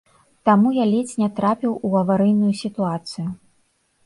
Таму я ледзь не трапіў у аварыйную сітуацыю.